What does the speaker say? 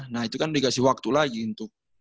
nah itu kan dikasih waktu lagi untuk